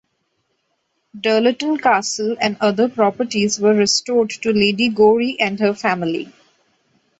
Dirleton Castle and other properties were restored to Lady Gowrie and her family.